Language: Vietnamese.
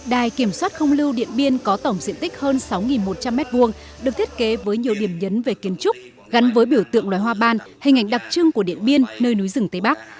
đài kiểm soát không lưu điện biên có tổng diện tích hơn sáu một trăm linh m hai được thiết kế với nhiều điểm nhấn về kiến trúc gắn với biểu tượng loài hoa ban hình ảnh đặc trưng của điện biên nơi núi rừng tây bắc